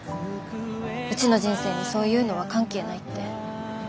うちの人生にそういうのは関係ないって。